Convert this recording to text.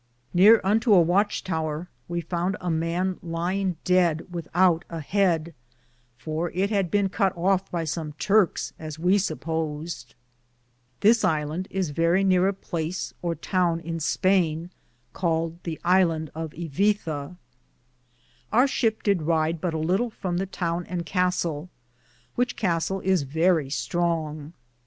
Neare unto a watche tower we founde a man lyinge deade with oute a heade, for it had bene cut of by som Turks as we supposed. This Hand is verrie neare a place or towne in Spaine caled Iverse.^ Our ship did rid but a litle from the toune and Castle, which Castell is verrie stronge.